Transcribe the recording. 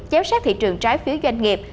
chéo sát thị trường trái phiếu doanh nghiệp